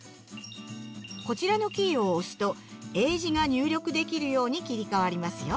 こちらのキーを押すと英字が入力できるように切り替わりますよ。